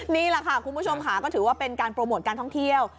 นี่แหละค่ะคุณผู้ชมค่ะก็ถือว่าเป็นการโปรโมทการท่องเที่ยว